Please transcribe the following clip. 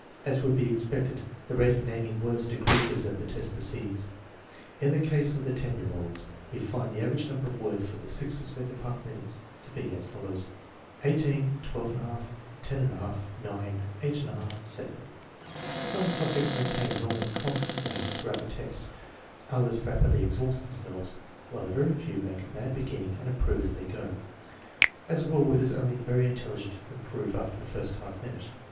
As would be expected, the rate of naming words decreases as the test proceeds. In the case of the 10 year olds, we find the average number of words for the six successive half minutes to be as follows: 18, 1% 10J& 9, SJi 7. Some subjects maintain an almost constant rate through out the test, others rapidly exhaust themselves, while a very few make a bad beginning and improve as they go. As a rule it is only the very intelligent who improve after the first half minute.